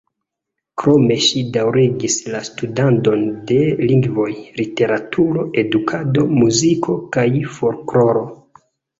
Krome ŝi daŭrigis la studadon de lingvoj, literaturo, edukado, muziko kaj folkloro.